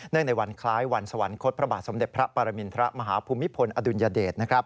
ในวันคล้ายวันสวรรคตพระบาทสมเด็จพระปรมินทรมาฮภูมิพลอดุลยเดช